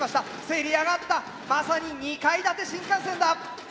せり上がったまさに２階建て新幹線だ。